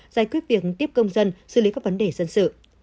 giải quyết việc tiếp công dân xử lý các vấn đề dân sự